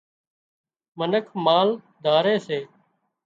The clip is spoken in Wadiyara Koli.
منک مال ڌاري سي